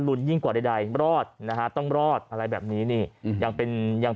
ยิ่งกว่าใดรอดนะฮะต้องรอดอะไรแบบนี้นี่ยังเป็นยัง